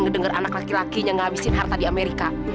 ngedengar anak laki lakinya ngabisin harta di amerika